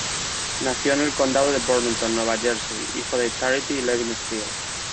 Nació en el Condado de Burlington, Nueva Jersey, hijo de Charity y Levin Still.